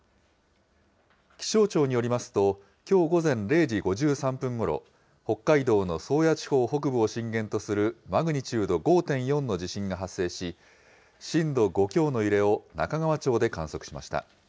気象庁によりますと、きょう午前０時５３分ごろ、北海道の宗谷地方北部を震源とするマグニチュード５．４の地震が発生し、震度５強の揺れを中川町で観測しました。